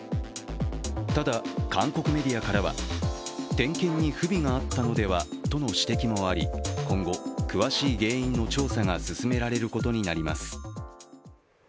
ただ、韓国メディアからは点検に不備があったのではとの指摘もあり、今後、詳しい原因の調査が進められることになります。